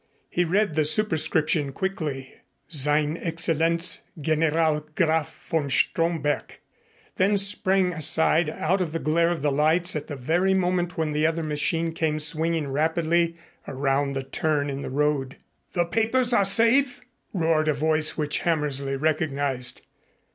He read the superscription quickly, "Sein Excellenz General Graf von Stromberg." Then sprang aside out of the glare of the lights at the very moment when the other machine came swinging rapidly around the turn in the road. "The papers are safe?" roared a voice which Hammersley recognized.